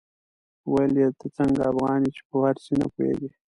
ويل يې ته څنګه افغان يې چې په فارسي نه پوهېږې.